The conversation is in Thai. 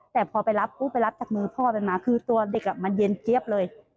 แต่พอไปรับปุ๊บไปรับจากมือพ่อไปมาคือตัวเด็กมันเย็นเจี๊ยบเลย